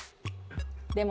でも